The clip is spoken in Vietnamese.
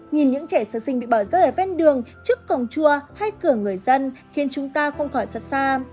nhìn những trẻ sơ sinh bị bỏ rơi ở ven đường trước cổng chua hay cửa người dân khiến chúng ta không khỏi xót xa